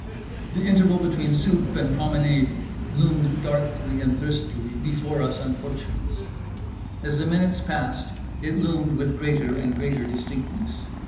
The interval between soupe and promenade loomed darkly and thirstily before us unfortunates. As the minutes passed, it loomed with greater and greater distinctness.